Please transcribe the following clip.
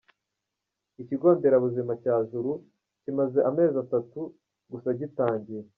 Ikigo nderabuzima cya Juru kimaze amezi atatu gusa gitangiye.